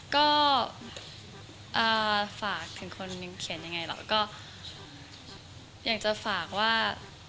ก็ฝากถึงคนนึงเขียนยังไงแล้วก็อยากจะฝากว่า